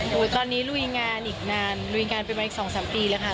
โอ้โหตอนนี้ลุยงานอีกนานลุยงานเป็นมาอีก๒๓ปีแล้วค่ะ